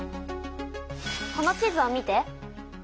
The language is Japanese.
この地図を見て。